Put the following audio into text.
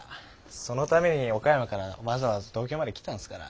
そのために岡山からわざわざ東京まで来たんですから。